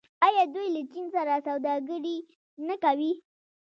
آیا دوی له چین سره سوداګري نه کوي؟